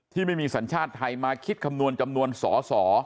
ที่ไม่มีสัญชาติไทยมาคิดคำนวณจำนวนสอสอ